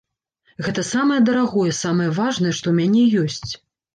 Гэта самае дарагое, самае важнае, што ў мяне ёсць.